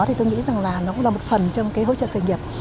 thì tôi nghĩ rằng là nó cũng là một phần trong cái hỗ trợ khởi nghiệp